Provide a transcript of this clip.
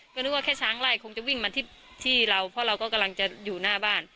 ก็นึกว่าแค่ช้างไล่คงจะวิ่งมาที่เราเพราะเราก็กำลังจะอยู่หน้าบ้าน